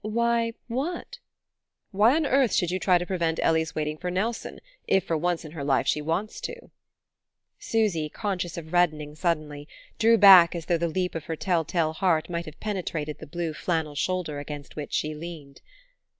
"Why what?" "Why on earth should you try to prevent Ellie's waiting for Nelson, if for once in her life she wants to?" Susy, conscious of reddening suddenly, drew back as though the leap of her tell tale heart might have penetrated the blue flannel shoulder against which she leaned.